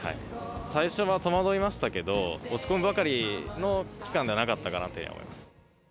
最初は戸惑いましたけど、落ち込むばかりの期間ではなかったかなと思います。